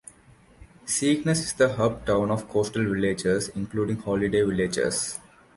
Skegness is the hub town of coastal villages including holiday villages.